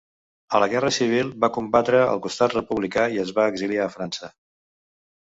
A la Guerra Civil va combatre al costat republicà i es va exiliar a França.